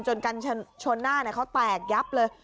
จนกันชนหน้าเขาแตกยับเลย